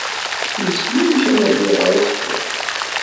Yessen amek ara d-iɣer isefra.